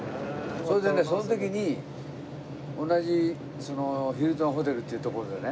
それでねその時に同じそのヒルトンホテルっていう所でね